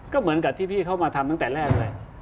ก็เหมือนกับที่พี่เขามาทำตั้งแต่แรกเลย